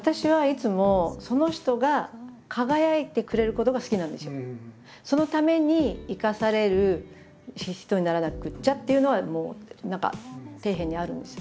私はいつもそのために生かされる人にならなくっちゃっていうのはもう何か底辺にあるんですよ。